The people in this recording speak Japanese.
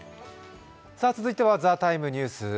続いては「ＴＨＥＴＩＭＥ，ニュース」